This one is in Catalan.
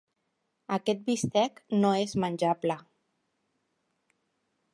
Aquest bistec no és menjable.